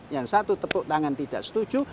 yang satu tepuk tangan tidak setuju